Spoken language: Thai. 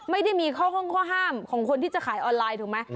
ไม่ได้มีข้อห้องข้อห้ามของคนที่จะขายออนไลน์ถูกไหม